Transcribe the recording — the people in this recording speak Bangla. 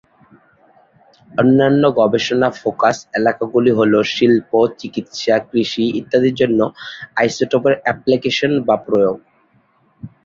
অন্যান্য গবেষণা ফোকাস এলাকাগুলি হল শিল্প, চিকিৎসা, কৃষি ইত্যাদির জন্য আইসোটোপের অ্যাপ্লিকেশনের বা প্রয়োগ।